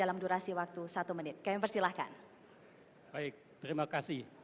alhamdulillah dua ribu tiga belas sampai dua ribu delapan belas